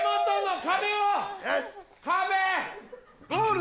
壁！